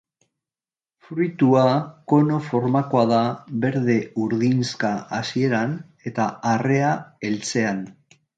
Fruitua kono formakoa da; berde-urdinxka hasieran, eta arrea heltzean.